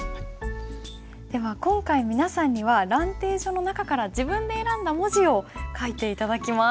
では今回皆さんには「蘭亭序」の中から自分で選んだ文字を書いて頂きます。